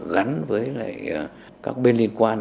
gắn với các bên liên quan